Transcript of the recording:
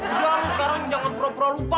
udah lo sekarang jangan pura pura lupa